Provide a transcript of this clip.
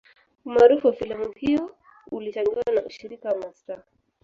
Umaarufu wa filamu hiyo ulichangiwa na ushiriki wa mastaa